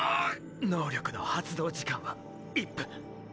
能力の発動時間は１分。